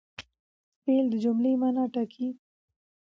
فعل د جملې مانا ټاکي.